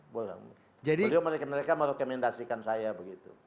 belum mereka merekomendasikan saya begitu